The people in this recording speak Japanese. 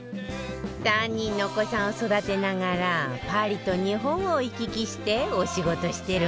３人のお子さんを育てながらパリと日本を行き来してお仕事してるんだって